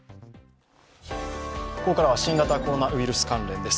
ここからは新型コロナウイルス関連です。